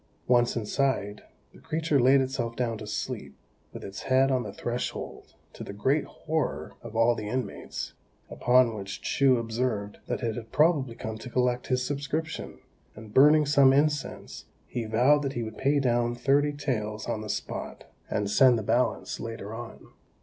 Once inside, the creature laid itself down to sleep, with its head on the threshold, to the great horror of all the inmates; upon which Chou observed that it had probably come to collect his subscription, and burning some incense, he vowed that he would pay down thirty taels on the spot, and send the balance later on.